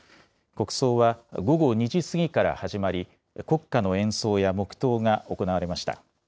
国葬は午後２時過ぎから始まり、国歌の演奏や黙とうが行われました。